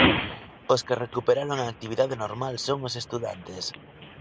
Os que recuperaron a actividade normal son os estudantes.